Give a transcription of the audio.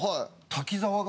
滝沢が。